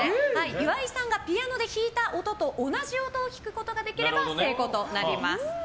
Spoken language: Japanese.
岩井さんがピアノで弾いた音と同じ音を弾くことができれば成功となります。